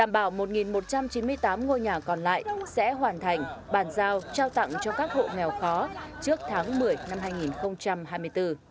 bảo một một trăm chín mươi tám ngôi nhà còn lại sẽ hoàn thành bàn giao trao tặng cho các hộ nghèo khó trước tháng một mươi năm hai nghìn hai mươi bốn